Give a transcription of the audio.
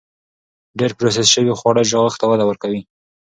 ډېر پروسس شوي خواړه چاغښت ته وده ورکوي.